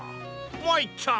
まいった。